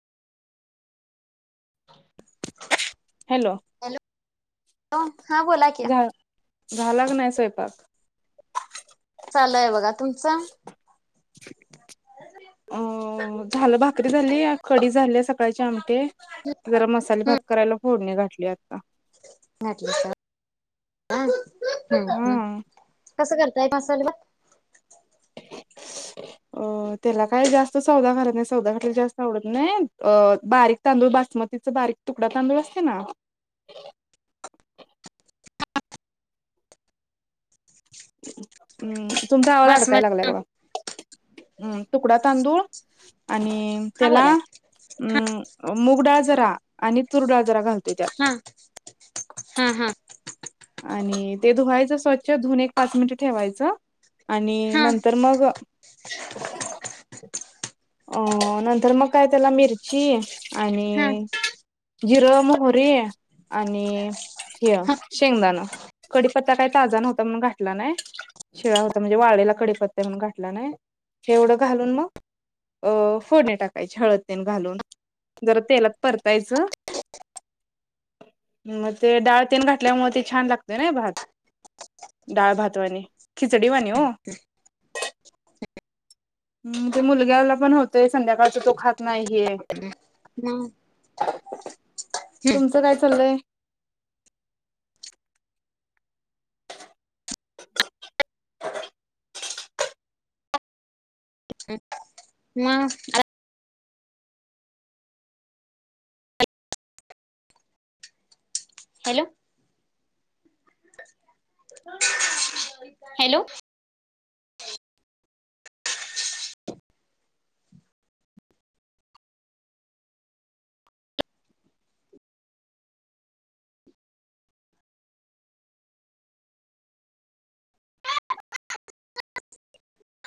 hello hello हा बोला की झालका नाही स्वयपाक चालय बघा तुमचं अ झालं भाकरी झाली कडी झाली सकाळचे आमटी जरा मसाले हम्म भात करायला फोडणी गाठली आता [unintelligible] हा कसं करताय मसाले भात [unintelligible] अ त्याला काय जास्त सौदा करत नाही सौदा खाला जास्त आवडत नाही अ बारीक तांदूळ मतीचा बारीक तुकडा तांदूळ असते ना म्म तुमचा आवाज अडकायला लागलाय बासमती बघा हम्म तुकडा तांदूळ आणि हा त्याला बोला की अ मुगडडाळ जरा आणि तुरडाळ जरा [unintelligible] हा हाहा आणि ते धुवायचं स्वच्छ धुन एक पाच मिनिट ठेवायचं आणि हा नंतर मग अ नंतर मग काय त्याला मिरची हा आणि जिरं मोहरी आणि हे शेंगदाान कडीपत्ता काही ताजा नव्हता म्हणून घातला नाही शिळा होता म्हणजे वाळेलेला कडीपत्ता घला नाहीवढं घालून मग अ फोडनी टाकायची हळद तेल घालून जरा तेलात परतायचं मग ते डाळतेन घातलं ल्यामुळे ते छान लागतय ना भात डाळ भातवाणी खिचडीवाणी हो हम मुलग्याला पण होतोय संध्याकाळचा तो खात नाहीये मग तुमचं काय चाललय [unintelligible] मग हॅलो हॅलो [unintelligible]